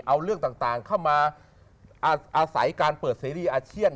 เอาเรื่องต่างเข้ามาอาศัยการเปิดเสรีอาเชียน